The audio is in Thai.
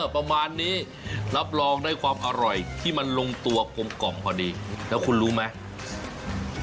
ประมาณนี้รับรองได้ความอร่อยที่มันลงตัวกลมกล่อมพอดีแล้วคุณรู้ไหม